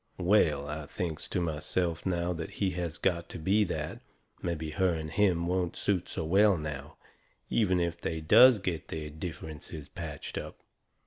Well, I thinks to myself now that he has got to be that, mebby her and him won't suit so well now, even if they does get their differences patched up.